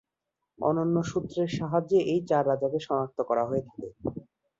অন্যান্য সূত্রে সাহায্যে এই চার রাজাকে সনাক্ত করা হয়ে থাকে।